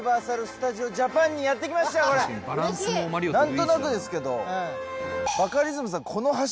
何となくですけど。